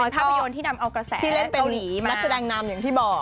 อ๋อเป็นภาพยนตร์ที่นำเอากระแสเกาหลีมาที่เล่นเป็นนักแสดงนามอย่างที่บอก